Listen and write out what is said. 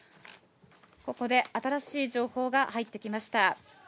ここで新しい情報が入ってきました。